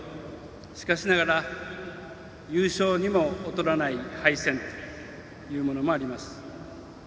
しかしながら、優勝にも劣らない敗戦というものもあります。